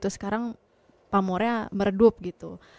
sekarang pamornya meredup gitu